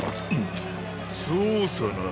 そうさなあ。